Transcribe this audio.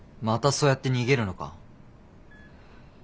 またそうやって逃げるのか？